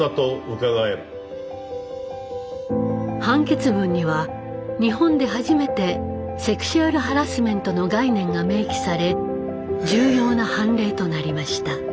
判決文には日本で初めてセクシュアルハラスメントの概念が明記され重要な判例となりました。